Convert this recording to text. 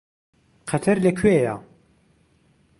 قەتەر لەکوێیە؟